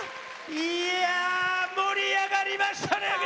いや盛り上がりましたね